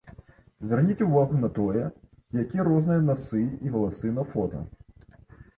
Звярніце ўвагу на тое, якія розныя насы і валасы на фота.